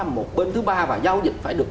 một bên thứ ba và giao dịch phải được